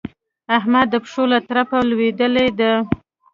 احمد د پښو له ترپه لوېدلی دی.